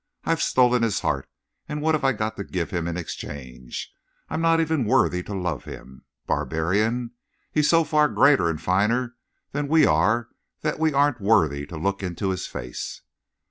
I've stolen his heart, and what have I to give him in exchange? I'm not even worthy to love him! Barbarian? He's so far greater and finer than we are that we aren't worthy to look in his face!"